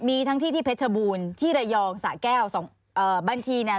มีทั้งที่ที่เพชรบูรณ์ที่ระยองสะแก้วสองเอ่อบัญชีเนี่ย